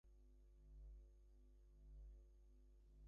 It may be a synonym of "Cytisus".